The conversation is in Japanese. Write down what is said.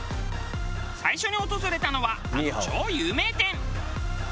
最初に訪れたのはあの超有名店。